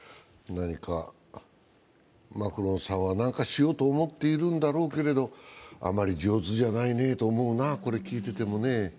マクロンさんは何かしようと思っているんだけれどもあまり上手じゃないねと思うな、これ聞いててもね。